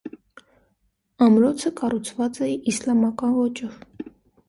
Ամրոցը կառուցված է իսլամական ոճով։